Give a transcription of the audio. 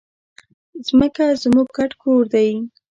ځمکه زموږ ګډ کور دی.